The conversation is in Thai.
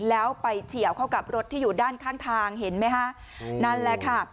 แล้วไปเฉียวเข้ากับรถที่อยู่ด้านข้างทางเห็นไหมฮะนั่นแหละค่ะ